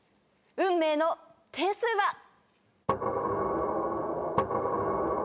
運命の点数は。